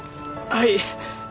はい。